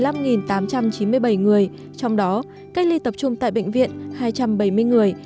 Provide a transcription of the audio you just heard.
trong đó cách ly tập trung tại bệnh viện hai trăm bảy mươi người cách ly tập trung tại cơ sở khác một mươi sáu trăm hai mươi năm người